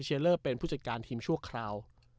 เลอร์เป็นผู้จัดการทีมชั่วคราว